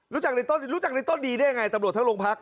รู้จักในต้นดีได้ยังไงตำรวจทั้งโรงพักษณ์